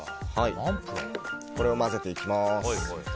これを混ぜていきます。